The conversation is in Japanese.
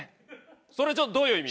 それちょっとどういう意味？